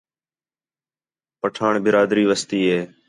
پٹھاݨ برادری وسدی ہِے